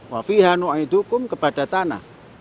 wafiha nu aidukum kepada tanah